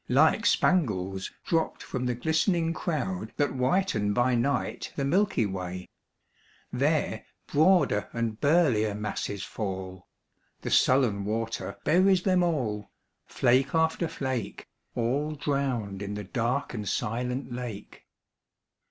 Like spangles dropped from the glistening crowd That whiten by night the milky way ; There broader and burlier masses fall ; The sullen water buries them all — Flake after flake — All drowned in the dark and silent lake.